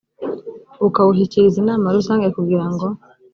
bukawushyikiriza inama rusange kugira ngo